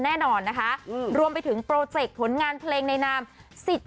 แน่นอนนะคะรวมไปถึงโปรเจกต์ผลงานเพลงในนาม